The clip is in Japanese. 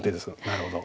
なるほど。